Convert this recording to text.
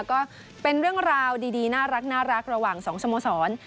ก็เป็นเรื่องราวดีน่ารักระหว่างสองสโมสร